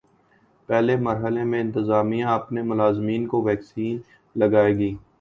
پہلے مرحلے میں انتظامیہ اپنے ملازمین کو ویکسین لگائے گی